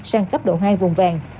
sang cấp độ hai vùng vàng